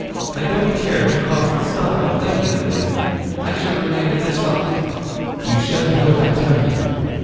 'I don't care to cross the stile, thank you, Madame. I shall remain at this side.' 'You shall do wat I tell you!'